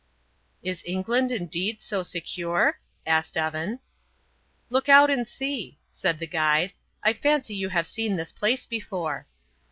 "Is England, indeed, so secure?" asked Evan. "Look out and see," said the guide. "I fancy you have seen this place before."